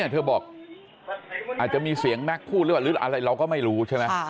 เธอบอกอาจจะมีเสียงแม็กซ์พูดหรือว่าหรืออะไรเราก็ไม่รู้ใช่ไหม